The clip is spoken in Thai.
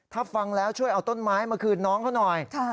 ถ้าฟังแล้วช่วยเอาต้นไม้มาคืนน้องเขาหน่อย